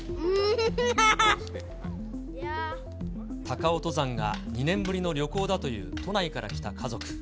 高尾登山が２年ぶりの旅行だという都内から来た家族。